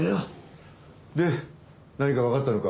で何かわかったのか？